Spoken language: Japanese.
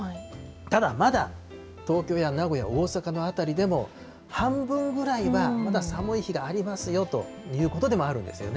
ただ、まだ東京や名古屋、大阪の辺りでも、半分ぐらいはまだ寒い日がありますよということでもあるんですよね。